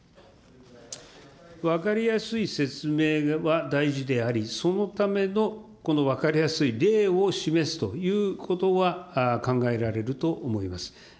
分かりやすい説明は大事であり、そのための分かりやすい例を示すということは考えられると思います。